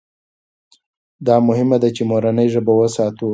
دا مهمه ده چې مورنۍ ژبه وساتو.